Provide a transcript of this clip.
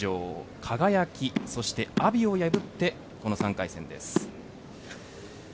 輝、そして阿炎を破ってこの３回戦です。